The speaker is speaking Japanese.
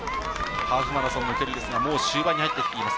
ハーフマラソンの距離ですが、もう終盤に入ってきています。